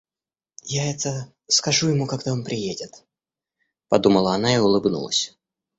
Я это скажу ему, когда он приедет, — подумала она и улыбнулась.